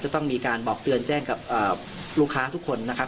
ต้องมีการบอกเตือนแจ้งกับลูกค้าทุกคนนะครับ